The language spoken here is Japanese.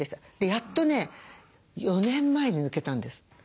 やっとね４年前に抜けたんです。